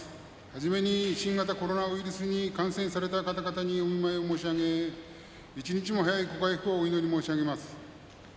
はじめに、新型コロナウイルスに感染された方々にお見舞いを申し上げ一日も早いご回復をお祈り申し上げます。